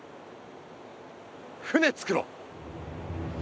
船作ろう！